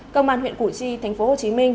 công an huyện củ chi tp hcm